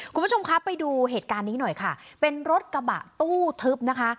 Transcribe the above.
คุณผู้ชมครับไปดูเหตุการณ์นี้หน่อยค่ะเป็นรถกระบะตู้ทึบนะคะ